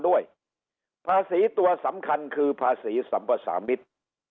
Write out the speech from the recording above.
ด้วยภาษีตัวสำคัญคือภาษีสัมภาษามิตร